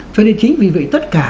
cho nên chính vì vậy tất cả